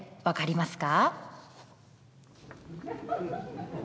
分かりますか？